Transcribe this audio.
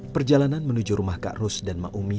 perjalanan menuju rumah kak ros dan maomi